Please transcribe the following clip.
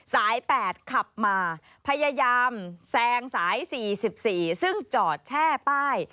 สาย๘ขับมาพยายามแซงสาย๔๔ซึ่งจอดแช่ป้าย